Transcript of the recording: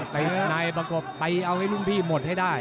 ต้องไปเอาให้รุ่นพี่หมดให้ได้